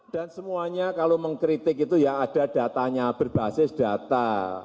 dan semuanya kalau mengkritik itu ya ada datanya berbasis data